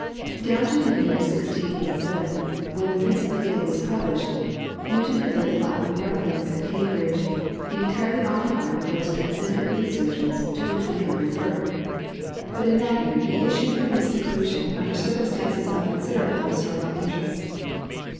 Down to the year 1687, when the "Principia" was published, Newton had lived the life of a recluse at Cambridge, being entirely occupied with those transcendent researches to which we have referred. But in that year he issued from his seclusion under circumstances of considerable historical interest.